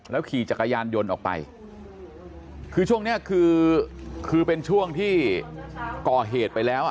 ขี่จักรยานยนต์ออกไปคือช่วงเนี้ยคือคือเป็นช่วงที่ก่อเหตุไปแล้วอ่ะ